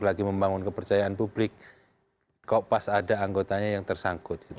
lagi membangun kepercayaan publik kok pas ada anggotanya yang tersangkut gitu